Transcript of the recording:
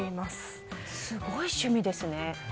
すごい趣味ですね。